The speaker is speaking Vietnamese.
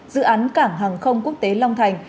dự án cảng hàng không quốc tế long thành